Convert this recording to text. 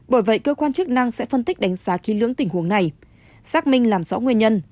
bởi vậy cơ quan chức năng sẽ phân tích đánh giá kỹ lưỡng tình huống này xác minh làm rõ nguyên nhân